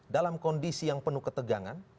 dalam kondisi yang penuh ketegangan